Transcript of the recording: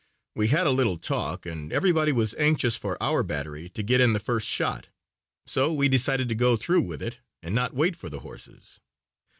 We had a little talk and everybody was anxious for our battery to get in the first shot, so we decided to go through with it and not wait for the horses.